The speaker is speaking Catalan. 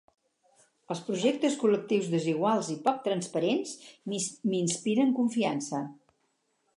Els projectes col·lectius desiguals i poc transparents m'inspiren confiança.